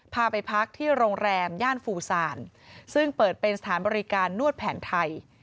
พาไปพักที่โรงแรมย่านฟูซานซึ่งเปิดเป็นสถานบริการนวดแผนไทย